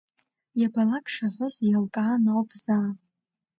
Иабалак шаҳәоз еилкаан ауп заа…